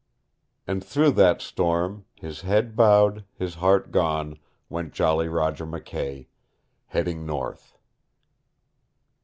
And through that storm, his head bowed, his heart gone, went Jolly Roger McKay heading north.